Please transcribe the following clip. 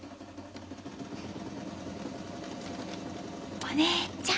・お姉ちゃん。